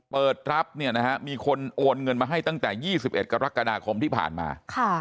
เปิดรับมีคนโอนเงินมาให้ตั้งแต่๒๑กรกฎาคมที่ผ่านมา